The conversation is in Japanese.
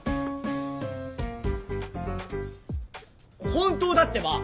本当だってば！